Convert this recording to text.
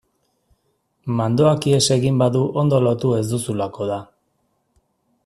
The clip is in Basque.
Mandoak ihes egin badu ondo lotu ez duzulako da.